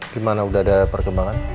gimana udah ada perkembangan